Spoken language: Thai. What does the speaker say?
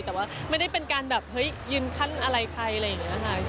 แต่ว่าไม่ได้เป็นการแบบเฮ้ยยืนขั้นอะไรใครอะไรอย่างนี้ค่ะ